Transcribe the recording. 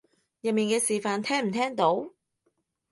入面嘅示範聽唔聽到？